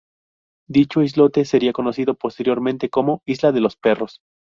Dicho islote sería conocido posteriormente como "Isla de los perros".